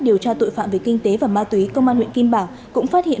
điều tra tội phạm về kinh tế và ma túy công an huyện kim bảng cũng phát hiện